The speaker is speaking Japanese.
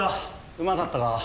うまかったか？